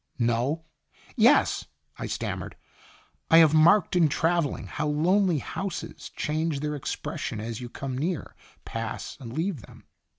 "No yes," I stammered. " I have marked in traveling how lonely houses change their expression as you come near, pass, and leave them.